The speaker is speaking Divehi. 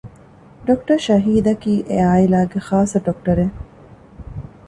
ޑޮކްޓަރ ޝަހީދަކީ އެޢާއިލާގެ ޚާއްޞަ ޑޮކްޓަރެއް